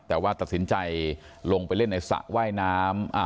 แต่ว่าตัดสินใจลงไปเล่นในสระว่ายน้ำ